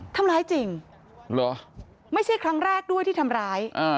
ทำร้ายจริงเหรอไม่ใช่ครั้งแรกด้วยที่ทำร้าย